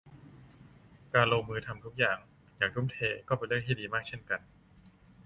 การลงมือทำทุกอย่างอย่างทุ่มเทก็เป็นเรื่องที่ดีมากเช่นกัน